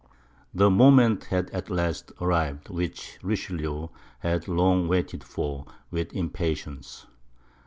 The moment had at last arrived which Richelieu had long waited for with impatience.